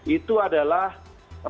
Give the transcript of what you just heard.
itu adalah rancangan